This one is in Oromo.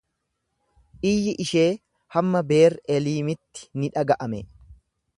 Iyyi ishee hamma Beer-eliimitti ni dhaga'ame.